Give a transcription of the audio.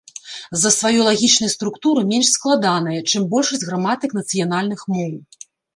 З-за сваёй лагічнай структуры менш складаная, чым большасць граматык нацыянальных моў.